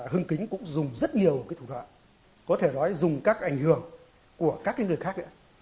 hưng kính cũng dùng rất nhiều thủ đoạn có thể nói dùng các ảnh hưởng của các người khác